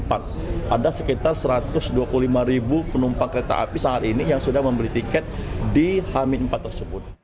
ada sekitar satu ratus dua puluh lima ribu penumpang kereta api saat ini yang sudah membeli tiket di h empat tersebut